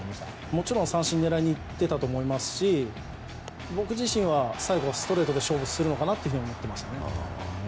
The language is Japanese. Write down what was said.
もちろん三振を狙いにいっていたと思いますし僕自身は最後はストレート勝負だと思っていました。